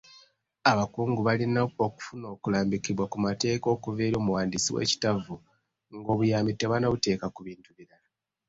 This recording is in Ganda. Abakungu balina okufuna okulambikibwa ku mateeka okuva eri omuwandiisi w'ekittavu ng'obuyambi tebannabuteeka ku bintu birala.